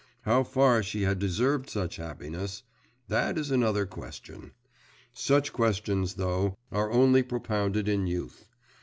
How far she had deserved such happiness … that is another question. Such questions, though, are only propounded in youth.